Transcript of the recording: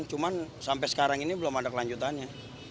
cuman sampai sekarang ini belum ada kelanjutannya